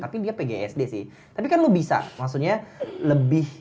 tapi dia pgsd sih tapi kan lo bisa maksudnya lebih